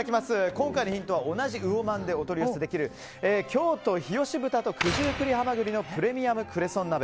今回のヒントは同じうおまんでお取り寄せできる京都日吉豚と九十九里はまぐりのプレミアムクレソン鍋。